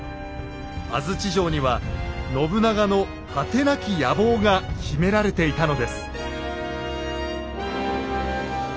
安土城には信長の果てなき野望が秘められていたのです。